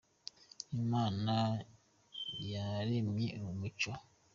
imana yaremye umucyo